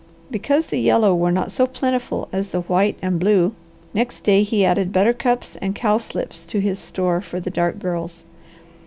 Because the yellow were not so plentiful as the white and blue, next day he added buttercups and cowslips to his store for the dark girls.